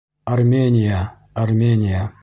Армения, Армения!